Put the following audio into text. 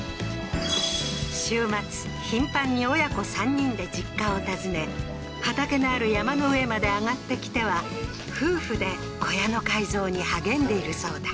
週末頻繁に親子３人で実家を訪ね畑のある山の上まで上がってきては夫婦で小屋の改造に励んでいるそうだ